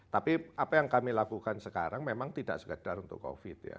tapi apa yang kami lakukan sekarang memang tidak sekedar untuk covid ya